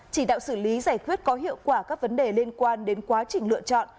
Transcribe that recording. chỉ đạo xử lý giải quyết có hiệu quả các vấn đề liên quan đến quá trình lựa chọn